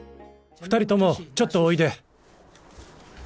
２人ともちょっとおいで。